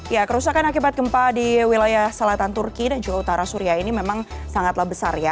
ya kerusakan akibat gempa di wilayah selatan turki dan juga utara suria ini memang sangatlah besar ya